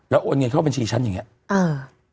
แล้วโอนเงินเข้าบัญชีฉันอย่างนี้